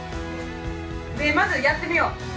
まずやってみよう。